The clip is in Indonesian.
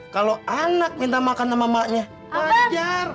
kalo anak minta makan sama emaknya wajar